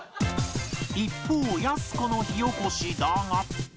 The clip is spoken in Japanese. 一方やす子の火おこしだが